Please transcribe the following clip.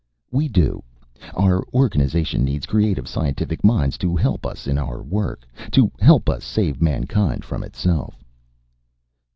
"We do. Our organization needs creative scientific minds to help us in our work, to help us save mankind from itself."